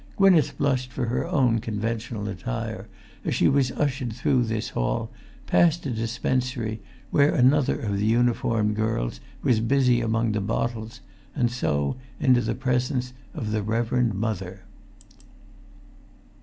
Gwynneth blushed for her own conventional attire, as she was ushered through this hall, past a dispensary where another of the uniformed girls was busy among the bottles, and so into the presence of the Reverend Mother.